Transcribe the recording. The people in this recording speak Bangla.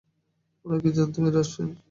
আমরা কি জানতুম এঁরা এসেছেন?